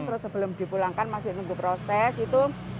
terus sebelum dipulangkan masukin untuk proses itu